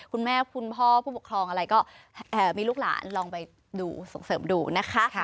คุณพ่อผู้ปกครองอะไรก็มีลูกหลานลองไปดูส่งเสริมดูนะคะ